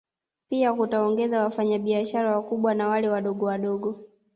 Pia kutaongeza wafanya biashara wakubwa na wale wadogowadogo